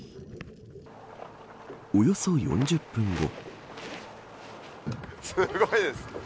およそ４０分後。